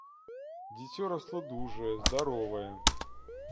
Дзіцё расло дужае, здаровае.